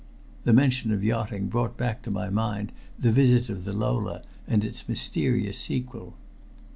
The mention of yachting brought back to my mind the visit of the Lola and its mysterious sequel.